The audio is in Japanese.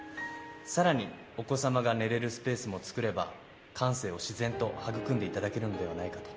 更にお子様が寝れるスペースも作れば感性を自然と育んでいただけるのではないかと。